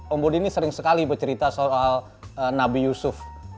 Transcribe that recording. ombudi ini sering sekali bercerita soal nabi yusuf